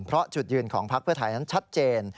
เพราะจุดยืนของภาคเมืองเท่านั้นชัดเจน